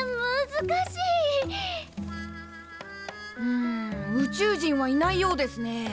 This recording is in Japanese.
ん宇宙人はいないようですねえ。